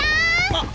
あっ！